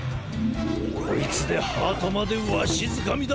こいつでハートまでわしづかみだ！